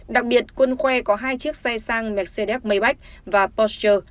đặc biệt quân khoe có hai chiếc xe sang mercedes maybach và porsche